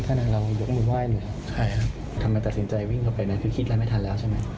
ทำไมตัดสินใจวิ่งเข้าไปคือคิดอะไรไม่ทันแล้วใช่ไหม